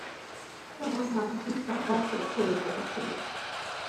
From on high, he saw all four quarters of his kingdom.